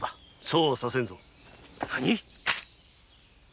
そうはさせんぞ何。